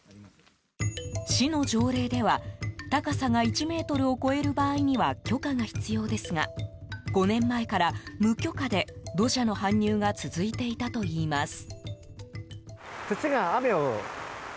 市の条例では高さが１ｍを超える場合には許可が必要ですが５年前から、無許可で土砂の搬入が続いていたといいます。